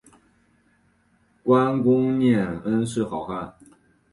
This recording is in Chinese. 观功念恩是好汉